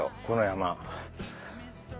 この山。